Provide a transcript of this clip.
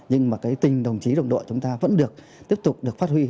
nhưng mà tình đồng chí đồng đội chúng ta vẫn được tiếp tục phát huy